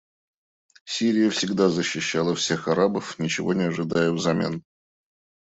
Сирия всегда защищала всех арабов, ничего не ожидая взамен.